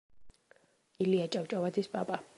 ილია ჭავჭავაძის პაპა.